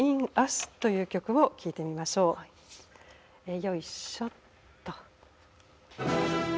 よいしょっと。